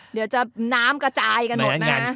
เดี๋ยวจะน้ำกระจายกันหมดนะฮะ